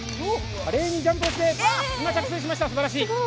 華麗にジャンプしまして今、着水しました、すばらしい。